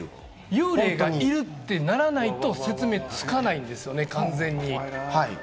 幽霊がいるっていわないと、説明つかないですよね、完全に。